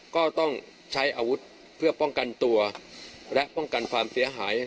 ก็ต้องใช้อาวุธเพื่อป้องกันตัวและป้องกันความเสียหาย